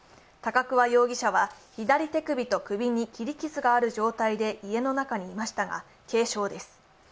高桑容疑者は、左手首と首に切り傷がある状態で家の中にいましたが軽傷です。